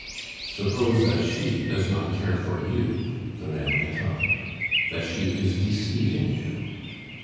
"Suppose that she does not care for you?" the man went on, "that she is deceiving you?"